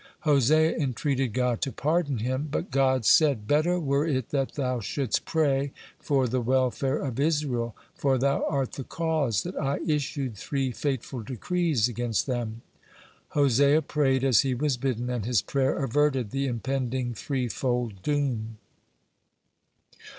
Hosea entreated God to pardon him. But God said: "Better were it that thou shouldst pray for the welfare of Israel, for thou art the cause that I issued three fateful decrees against them." Hosea prayed as he was bidden, and his prayer averted the impending threefold doom.